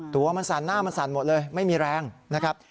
ตัวมันสั่นหน้ามันสั่นหมดเลยไม่มีแรงนะครับ